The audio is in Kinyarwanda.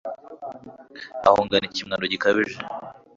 ahungana ikimwaro gikabije